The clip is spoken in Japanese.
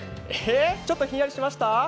ちょっとひんやりしました？